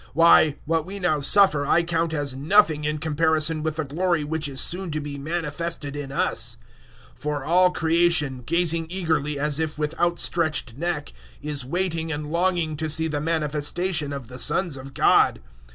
008:018 Why, what we now suffer I count as nothing in comparison with the glory which is soon to be manifested in us. 008:019 For all creation, gazing eagerly as if with outstretched neck, is waiting and longing to see the manifestation of the sons of God.